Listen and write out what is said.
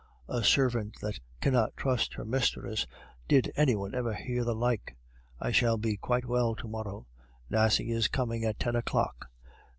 A servant that cannot trust her mistress, did any one ever hear the like! I shall be quite well to morrow. Nasie is coming at ten o'clock.